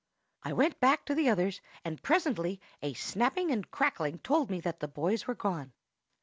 I went back to the others, and presently a snapping and crackling told me that the boys were gone.